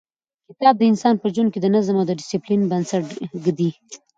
کتاب د انسان په ژوند کې د نظم او ډیسپلین بنسټ ږدي.